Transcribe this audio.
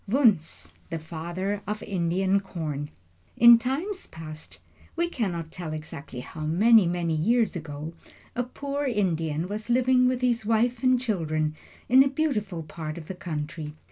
WUNZH, THE FATHER OF INDIAN CORN |IN time past we cannot tell exactly how many, many years ago a poor Indian was living with his wife and children in a beautiful part of the country.